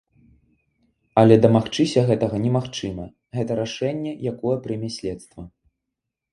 Але дамагчыся гэтага немагчыма, гэта рашэнне, якое прыме следства.